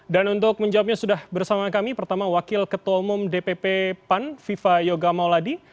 dan untuk menjawabnya sudah bersama kami pertama wakil ketua umum dpp pan viva yoga mauladi